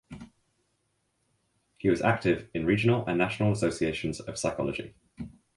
He was active in regional and national associations of psychology.